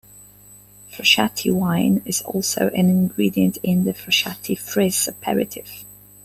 Frascati wine is also an ingredient in the Frascati Frizz aperitif.